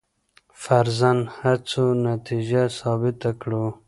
فرضاً هڅو نتیجه ثابته کړو.